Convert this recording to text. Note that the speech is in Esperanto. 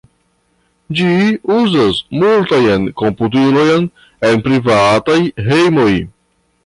Ĝi uzas multajn komputilojn en privataj hejmoj.